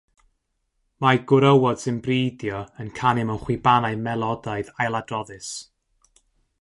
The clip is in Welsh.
Mae gwrywod sy'n bridio yn canu mewn chwibanau melodaidd ailadroddus.